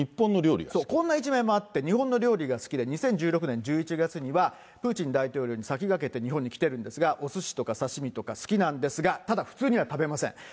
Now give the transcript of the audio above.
こんな一面もあって、日本の料理が好きで２０１６年１１月には、プーチン大統領に先駆けて日本に来てるんですが、おすしと刺身とか好きなんですが、ただ普通には食べません。